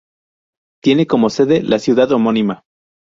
Tiene como sede la ciudad homónima.